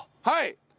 はい。